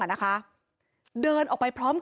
แต่เธอก็ไม่ละความพยายาม